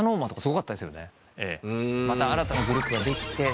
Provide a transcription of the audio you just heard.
また新たなグループができて。